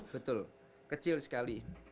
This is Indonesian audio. betul kecil sekali